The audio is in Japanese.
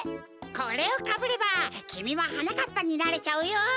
これをかぶればきみもはなかっぱになれちゃうよ！